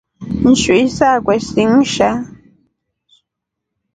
Nshui sakwe sii ngiasha.